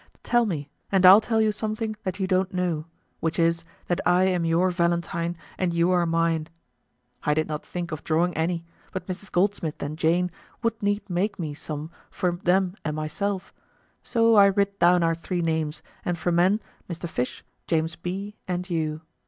Tell me, and I'll tell you something that you don't know, which is, that I am your Valentine and you are mine. I did not think of drawing any, but Mrs. Goldsmith and Jane would need make me some for them and myself; so I writ down our three names, and for men Mr. Fish, James B., and you.